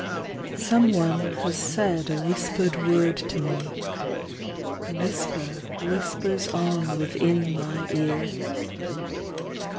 Some one has said a whispered word to me ; The whisper whispers on within my ear.